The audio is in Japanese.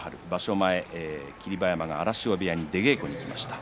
前、霧馬山が荒汐部屋に出稽古に行きました。